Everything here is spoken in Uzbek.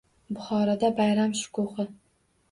Buxoroda bayram shukuhi